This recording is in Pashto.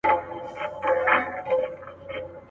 په میراث یې عقل وړی له خپل پلار وو.